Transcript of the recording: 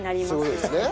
そうですね。